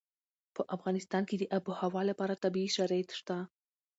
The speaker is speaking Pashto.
په افغانستان کې د آب وهوا لپاره طبیعي شرایط شته.